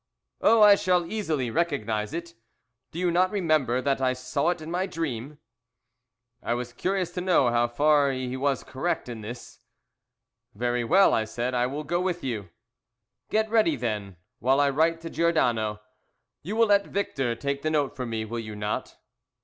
"Oh, I shall easily recognize it. Do you not remember that I saw it in my dream?" I was curious to know how far he was correct in this. "Very well," I said, "I will go with you." "Get ready, then, while I write to Giordano. You will let Victor take the note for me, will you not?"